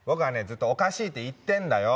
ずっとおかしいって言ってんだよ